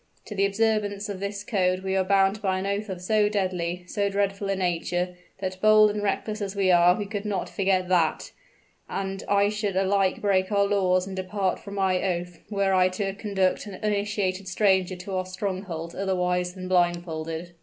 To the observance of this code we are bound by an oath of so deadly so dreadful a nature, that bold and reckless as we are, we could not forget that. And I should alike break our laws and depart from my oath, were I to conduct an uninitiated stranger to our stronghold otherwise than blindfolded."